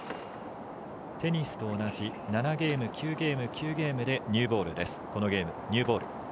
テニスと同じ７ゲーム９ゲーム、９ゲームでニューボールです。